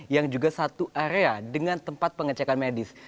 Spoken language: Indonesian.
yang juga satu area dengan tempat pengecekan medis